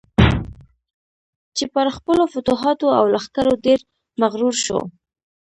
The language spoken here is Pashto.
چې پر خپلو فتوحاتو او لښکرو ډېر مغرور شو.